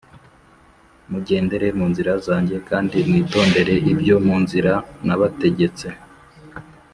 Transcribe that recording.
Mujyendere munzira zanjye kandi mwitondere ibyo mu nzira nabategetse